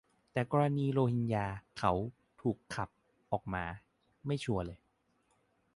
แต่กรณีโรฮิงญา เขา 'ถูกขับ' ออกมา - ไม่ชัวร์เลย